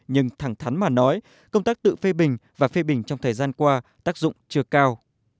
nhưng thẳng thắn mà nói công tác tự phê bình và phê bình trong thời gian qua tác dụng chưa cao